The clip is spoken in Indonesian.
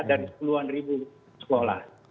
dari sepuluh an ribu sekolah